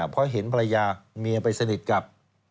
เพราะเห็นภรรยาเมียไปสนิทกับ